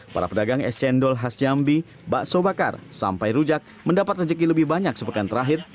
para pedagang es cendol khas jambi bakso bakar sampai rujak mendapat rezeki lebih banyak sepekan terakhir